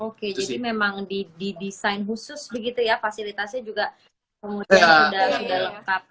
oke jadi memang didesain khusus begitu ya fasilitasnya juga kemudian sudah lengkap